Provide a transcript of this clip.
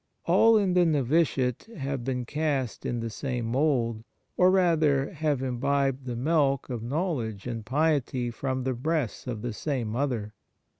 All in the novitiate have been cast in the same mould, or, rather, have imbibed the milk of knowledge and piety from the breasts of the same mother.